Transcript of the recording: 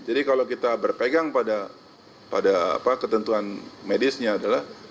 jadi kalau kita berpegang pada ketentuan medisnya adalah